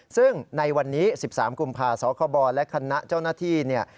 ซึ่งในวันนี้๑๓กุมภาคมสคบและคณะเจ้าหน้าที่เนี่ย